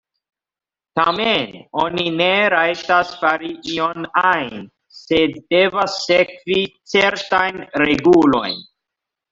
Tamen oni ne rajtas fari ion ajn, sed devas sekvi certajn regulojn.